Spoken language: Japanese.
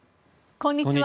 こんにちは。